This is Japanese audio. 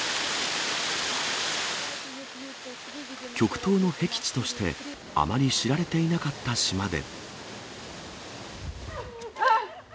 極東のへき地として、あまり知られていなかった島で。